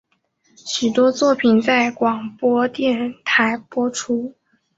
许多作品在广播电台播出。